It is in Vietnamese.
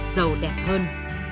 giàu đẹp hơn